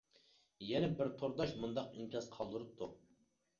يەنە بىر تورداش مۇنداق ئىنكاس قالدۇرۇپتۇ.